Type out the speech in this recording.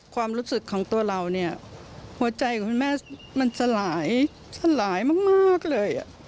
ความรู้สึกของตัวเราเนี่ยหัวใจของคุณแม่มันสลายสลายมากเลย